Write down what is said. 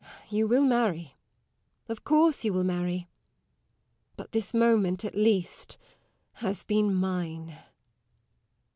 You will marry of course you will marry but this moment, at least, has been mine.